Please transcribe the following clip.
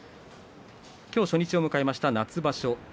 初日を迎えました夏場所。